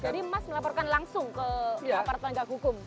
jadi mas melaporkan langsung ke laporan tenaga hukum